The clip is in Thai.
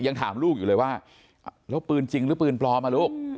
ยังถามลูกเลยว่าเราปืนจริงหรือปืนเบลอมาลุก